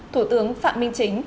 thủ tướng phạm minh chính